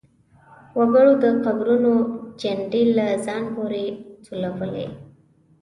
وګړو د قبرونو چنډې له ځان پورې سولولې.